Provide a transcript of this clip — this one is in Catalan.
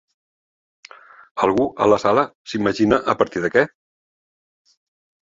Algú, a la sala, s'imagina a partir de què?